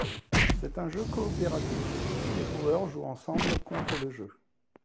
C'est un jeu coopératif, tous les joueurs jouent ensemble contre le jeu.